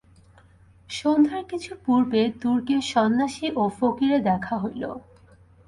সন্ধ্যার কিছু পূর্বে দুর্গে সন্ন্যাসী ও ফকিরে দেখা হইল।